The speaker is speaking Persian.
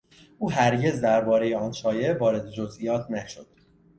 او هرگز دربارهی آن شایعه وارد جزئیات نشد.